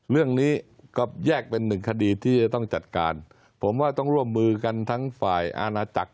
เรื่องนี้ก็แยกเป็นหนึ่งคดีที่จะต้องจัดการผมว่าต้องร่วมมือกันทั้งฝ่ายอาณาจักร